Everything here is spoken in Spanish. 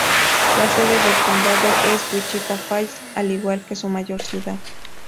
La sede del condado es Wichita Falls, al igual que su mayor ciudad.